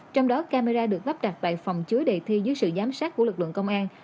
trong đó camera được lắp đặt tại phòng chứa đề thi dưới sự giám sát của lực lượng công an